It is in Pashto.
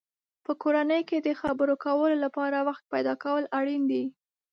په کورنۍ کې د خبرو کولو لپاره وخت پیدا کول اړین دی.